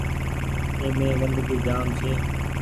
اي مين گندگي جآم ڇي۔